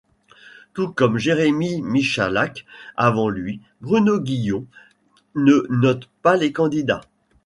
Tout comme Jérémy Michalak avant lui, Bruno Guillon ne note pas les candidats.